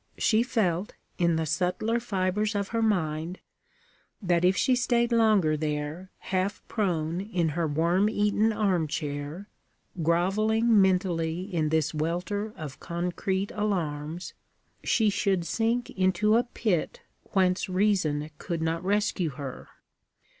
She felt, in the subtler fibres of her mind, that if she stayed longer there half prone in her worm eaten arm chair, groveling mentally in this welter of concrete alarms, she should sink into a pit whence reason could not rescue her.